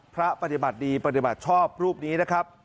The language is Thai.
พระปฏิบัติดีปฏิบัติชอบรูปนี้นะครับ